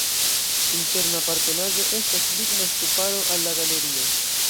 Interna apartenaĵo estas ligna ŝtuparo al la galerio.